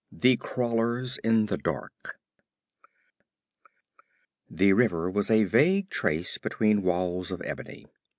3 The Crawlers in the Dark The river was a vague trace between walls of ebony.